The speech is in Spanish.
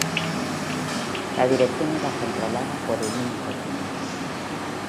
La dirección era controlada por un único timón.